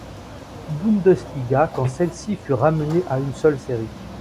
Bundesliga quand celle-ci fut ramenée à une seule série.